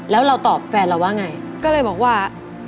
แล้วเราตอบแฟนเราว่าไง